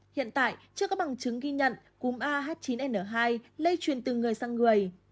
hiện tại chưa có bằng chứng ghi nhận cúm ah chín n hai lây truyền từ người sang người